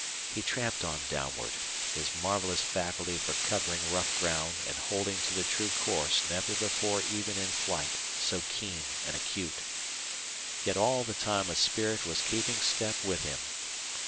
He tramped on downward, his marvelous faculty for covering rough ground and holding to the true course never before even in flight so keen and acute. Yet all the time a spirit was keeping step with him.